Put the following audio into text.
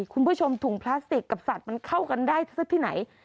คุณผู้ชมถุงพลาสติกกับสัตว์มันเข้ากันได้ซะที่ไหน